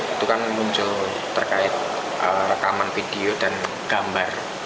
itu kan muncul terkait rekaman video dan gambar